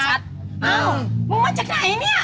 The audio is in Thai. อ้าวมึงมาจากไหนเนี่ย